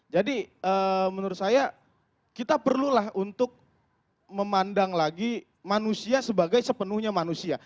jadi menurut saya kita perlulah untuk memandang lagi manusia sebagai sepenuhnya manusia